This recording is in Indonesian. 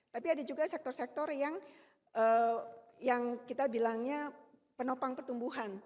jadi juga sektor sektor yang kita bilangnya penopang pertumbuhan